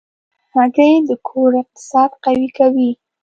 هګۍ د کور اقتصاد قوي کوي.